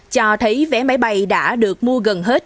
cho thấy vé máy bay đã được mua gần hết